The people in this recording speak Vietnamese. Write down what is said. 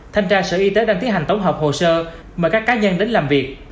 thanh tra sở y tế đang tiến hành tổng hợp hồ sơ mời các cá nhân đến làm việc